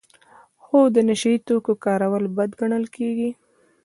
خو د نشه یي توکو کارول بد ګڼل کیږي.